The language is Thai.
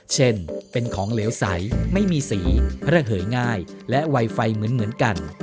เช่นเป็นของเหลวใสไม่มีสีระเหยง่ายและไวไฟเหมือนกัน